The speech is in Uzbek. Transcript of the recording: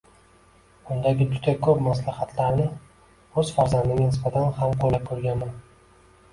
Undagi juda koʻp maslahatlarni oʻz farzandimga nisbatan ham qoʻllab koʻrganman.